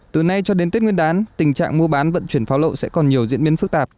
từ nay cho đến tết nguyên đán tình trạng mua bán vận chuyển pháo lậu sẽ còn nhiều diễn biến phức tạp